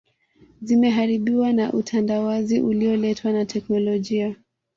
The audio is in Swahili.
Zimeharibiwa na utandawazi ulioletwa na teknolojia